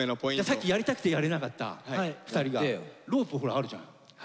さっきやりたくてやれなかった２人がロープほらあるじゃん。